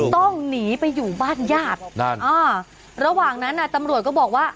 ต้องหนีไปอยู่บ้านญาตินั่นอ่าระหว่างนั้นน่ะตำรวจก็บอกว่า